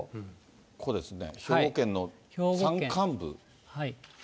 ここですね、兵庫県の山間部。